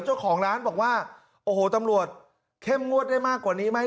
เจ้าของร้านบอกว่าโอ้โหตำรวจเข้มงวดได้มากกว่านี้ไหม